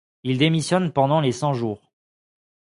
Il démissionne pendant les Cent-Jours.